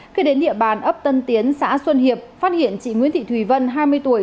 khi đến địa bàn ấp tân tiến xã xuân hiệp phát hiện chị nguyễn thị thùy vân hai mươi tuổi